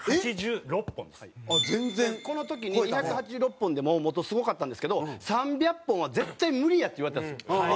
この時に２８６本でもすごかったんですけど３００本は絶対無理やって言われてたんですよ。